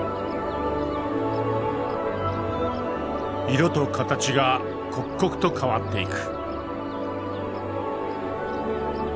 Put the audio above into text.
色と形が刻々と変わっていく。